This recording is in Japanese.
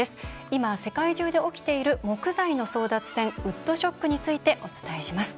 今、世界中で起きている木材の争奪戦ウッドショックについてお伝えします。